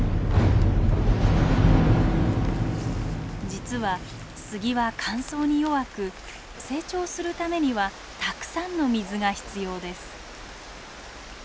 実は杉は乾燥に弱く成長するためにはたくさんの水が必要です。